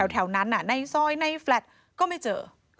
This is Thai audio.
แถวนั้นในซอยในแฟลต์ก็ไม่เจอ